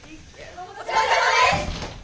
お疲れさまです！